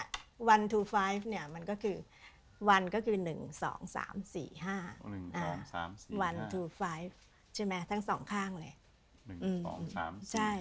คือตัวเลขเนี่ย๑๒๕เนี่ยมันก็คือ๑๒๓๔๕๑๒๕ใช่ไหมทั้งสองข้างเลย